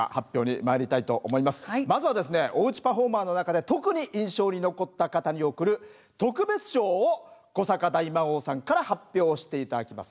おうちでパフォーマーの中で特に印象に残った方に贈る特別賞を古坂大魔王さんから発表して頂きます。